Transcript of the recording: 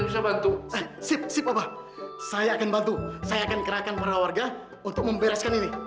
saya akan bantu saya akan kerahkan para warga untuk mempereskan ini